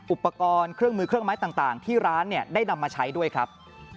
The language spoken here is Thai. อุปกรณ์เครื่องมือเครื่องไม้ต่างที่ร้านได้นำมาใช้ด้วยครับ